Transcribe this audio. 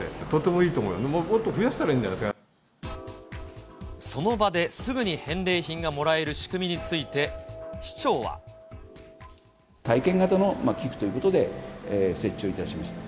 もっと増やしたらいいんじゃないその場ですぐに返礼品がもらえる仕組みについて、体験型の寄付ということで、設置をいたしました。